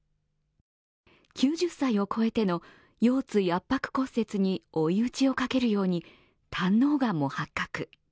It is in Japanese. ９０歳を超えての腰椎圧迫骨折に追い打ちをかけるように胆のうがんも発覚。